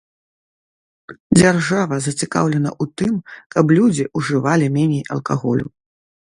Дзяржава зацікаўлена у тым, каб людзі ужывалі меней алкаголю.